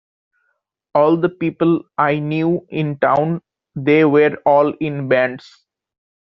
All the people I knew in town, they were all in bands.